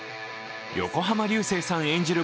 横浜流星さん演じる